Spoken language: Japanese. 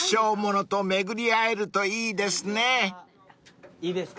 いいですか？